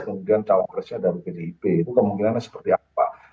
kemudian cawapresnya dari pdip itu kemungkinannya seperti apa